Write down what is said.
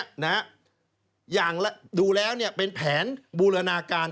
อย่างดูแล้วเนี่ยเป็นแผนบูรณาการ